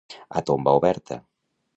A tomba oberta.